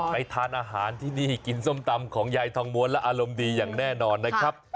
ทานอาหารที่นี่กินส้มตำของยายทองม้วนและอารมณ์ดีอย่างแน่นอนนะครับ